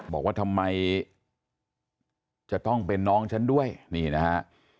บอกว่าทำไมจะต้องเป็นน้องฉันด้วยนี่นะฮะ